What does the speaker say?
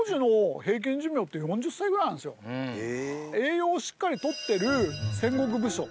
要するにね栄養をしっかりとってる戦国武将。